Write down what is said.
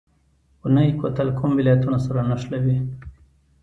اونی کوتل کوم ولایتونه سره نښلوي؟